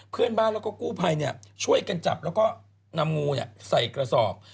เพื่อนบ้านแล้วก็กู้ภัยช่วยกันจับแล้วก็นำงูใส่กระสอบ